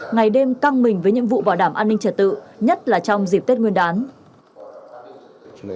ngày đêm căng mình với nhiệm vụ bảo đảm an ninh trật tự nhất là trong dịp tết nguyên đán